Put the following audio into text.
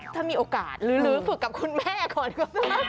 ถ้ามีโอกาสหรือฝึกกับคุณแม่ก่อนก็ได้